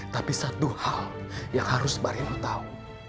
tapi satu hal yang harus pak reno tahu